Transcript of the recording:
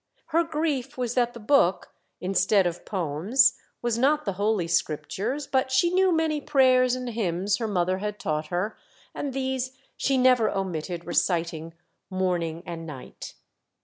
Her grief was that the book, instead of poems, was not the Holy Scriptures, but she knew many prayers and hymns her mother had taught her, and these she never omitted reciting morning and night.